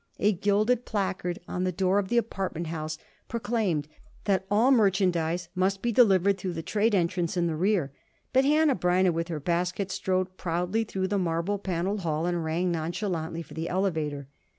A gilded placard on the door of the apartment house proclaimed that all merchandise must be delivered through the trade entrance in the rear; but Hanneh Breineh with her basket strode proudly through the marble paneled hall and rang nonchalantly for the elevator.